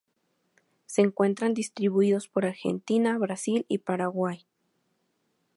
Se encuentran distribuidos por Argentina, Brasil y Paraguay.